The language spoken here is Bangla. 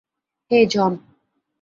হেই, জন।